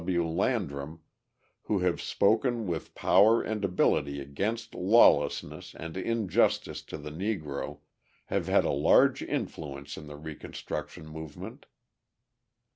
W. Landrum, who have spoken with power and ability against lawlessness and injustice to the Negro, have had a large influence in the reconstruction movement.